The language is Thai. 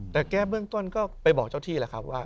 แต่แก้เบื้องต้นก็ไปบอกเจ้าที่แหละครับว่า